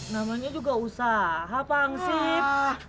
namanya juga usaha pak hangsip